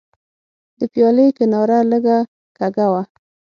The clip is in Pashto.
د پیالې کناره لږه کږه وه.